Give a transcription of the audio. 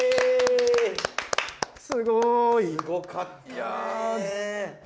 すごい！すごかったね。